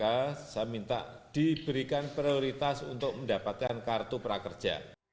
saya minta diberikan prioritas untuk mendapatkan kartu prakerja